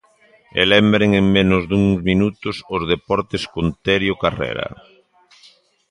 E lembren en menos dun minutos os deportes con Terio Carrera.